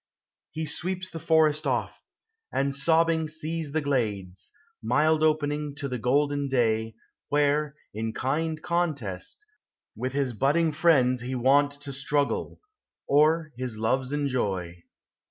He sweeps the forest oft; and sobbing sees The glades, mild opening to the golden day, Where, in kind contest, with his butting friends He wont to struggle, or his loves enjoy.